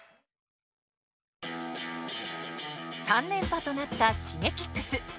３連覇となったＳｈｉｇｅｋｉｘ